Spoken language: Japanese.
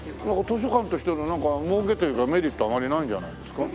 図書館としての儲けというかメリットはあまりないんじゃないですか？